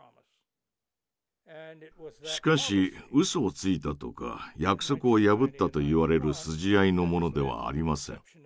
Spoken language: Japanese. しかしうそをついたとか約束を破ったと言われる筋合いのものではありません。